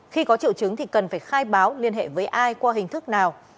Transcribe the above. khi có triệu chứng thì cần phải khai báo liên hệ với ai qua hình thức nào